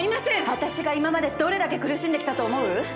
私が今までどれだけ苦しんできたと思う？